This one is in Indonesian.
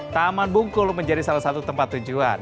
taman bungkul menjadi salah satu tempat tujuan